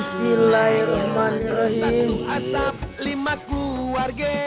satu asap lima keluarga